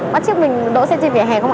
bắt chiếc mình đỗ xe trên vỉa hè không ạ